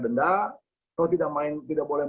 denda atau tidak boleh